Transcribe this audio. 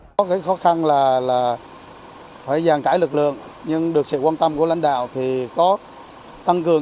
có cái khó khăn là phải giàn trải lực lượng nhưng được sự quan tâm của lãnh đạo thì có tăng cường